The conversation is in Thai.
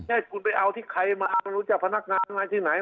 ให้คุณไปเอาที่ใครมารู้จักพนักงานไหนที่ไหน